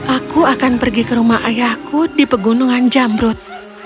aku akan pergi ke rumah ayahku di pegunungan jamrut